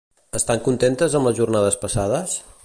Estan contentes amb les jornades passades?